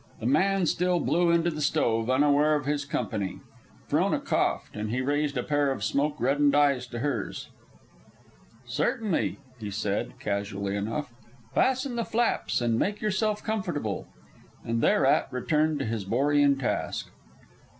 The man still blew into the stove, unaware of his company. Frona coughed, and he raised a pair of smoke reddened eyes to hers. "Certainly," he said, casually enough. "Fasten the flaps and make yourself comfortable." And thereat returned to his borean task.